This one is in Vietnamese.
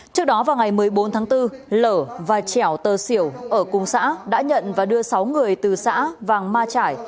trước đó vào ngày một mươi bốn tháng bốn lở và chẻo tơ xỉu ở cung xã đã nhận và đưa sáu người từ xã vàng ma trải